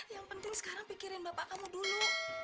yang penting sekarang pikirin bapak kamu dulu